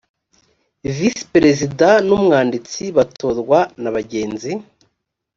visi perezida n umwanditsi batorwa na bagenzi